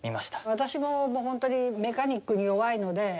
私ももう本当にメカニックに弱いので。